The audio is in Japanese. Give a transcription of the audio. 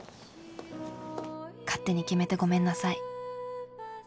勝手に決めてごめんなさい。